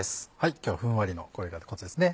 今日はふんわりのこれがコツですね。